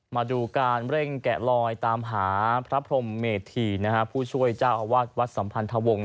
มาดูการเร่งแกะลอยตามหาพระพรมเมธีผู้ช่วยเจ้าอาวาสวัดสัมพันธวงศ์